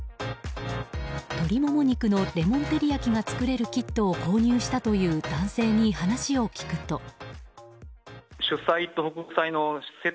鶏モモ肉のレモン照り焼きを作れるキットを購入したという男性に話を聞くと。